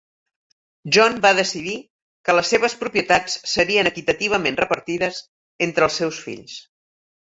John va decidir que les seves propietats serien equitativament repartides entre els seus fills.